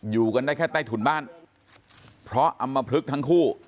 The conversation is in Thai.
อยู่กันได้แค่ใต้ถุนบ้านเพราะอำมพลึกทั้งคู่